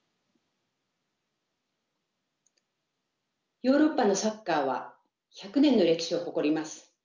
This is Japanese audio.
ヨーロッパのサッカーは１００年の歴史を誇ります。